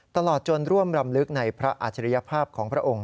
ตลอดจนร่วมรำลึกในพระอัจฉริยภาพของพระองค์